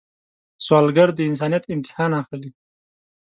سوالګر د انسانیت امتحان اخلي